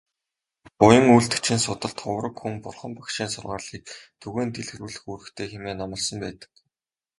Буян үйлдэгчийн сударт "Хувраг хүн Бурхан багшийн сургаалыг түгээн дэлгэрүүлэх үүрэгтэй" хэмээн номлосон байдаг.